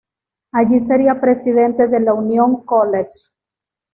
Allí sería presidente de la "Union College".